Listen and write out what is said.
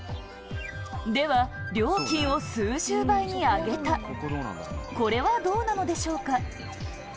では、料金を数十倍に上げた、これはどうなのでしょうか。